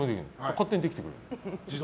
勝手にできてくれるの。